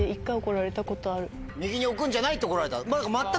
「右に置くんじゃない！」って怒られた。